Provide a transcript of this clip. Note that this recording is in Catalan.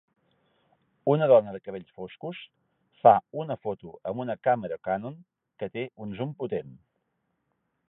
Una dona de cabells foscos fa una foto amb una càmera Canon que té un zoom potent.